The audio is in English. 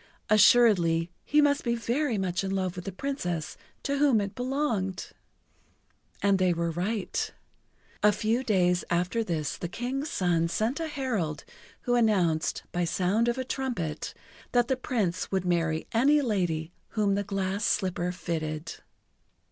Assuredly he must be very much in love with the Princess to whom it belonged! And they were right. A few days after this the King's son sent a herald who announced, by sound of a trumpet, that the Prince would marry any lady whom the glass slipper fitted.